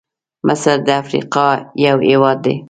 مصرد افریقا یو هېواد دی.